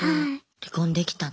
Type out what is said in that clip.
離婚できたの？